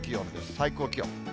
最高気温。